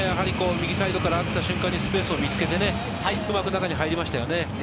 右サイドからスペースを見つけて、うまく中に入りましたね。